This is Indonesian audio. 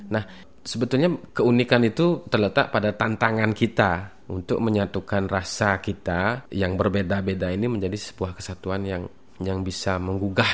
nah sebetulnya keunikan itu terletak pada tantangan kita untuk menyatukan rasa kita yang berbeda beda ini menjadi sebuah kesatuan yang bisa menggugah